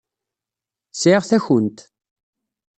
Sɛiɣ takunt.